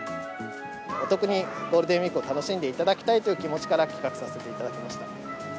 お得にゴールデンウィークを楽しんでいただきたいという気持ちから企画させていただきました。